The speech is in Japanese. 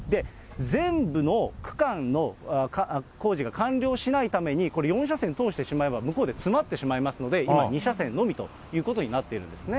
全部の区間の工事が完了しないために、これ、４車線通してしまえば、向こうで詰まってしまいますので、今２車線のみということになっているんですね。